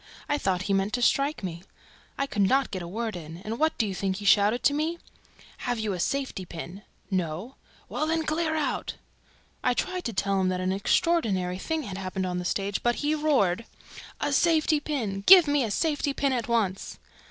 I thought he meant to strike me. I could not get a word in; and what do you think he shouted at me? 'Have you a safety pin?' 'No!' 'Well, then, clear out!' I tried to tell him that an unheard of thing had happened on the stage, but he roared, 'A safety pin! Give me a safety pin at once!'